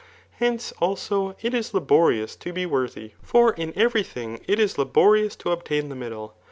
Hence, also, it is laborious to be worthy ; for in every thing it is laborious to obtain the middle.